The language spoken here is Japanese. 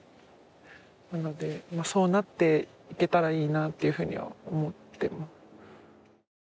なので、そうなっていけたらいいなというふうには思ってます。